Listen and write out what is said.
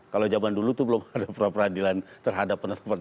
kalau zaman dulu itu belum ada peradilan terhadap penetapan